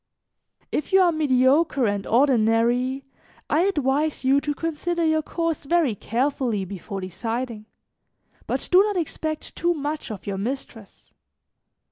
"If you are mediocre and ordinary, I advise you to consider your course very carefully before deciding, but do not expect too much of your mistress.